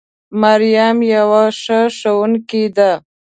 مريم يوه ښه ښوونکې ده